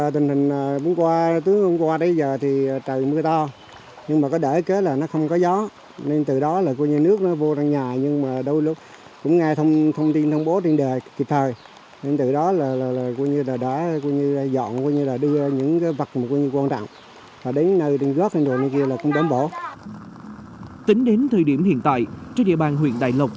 tính đến thời điểm hiện tại trên địa bàn huyện đại lộc